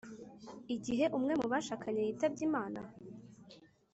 igihe umwe mu bashakanye yitabye imana?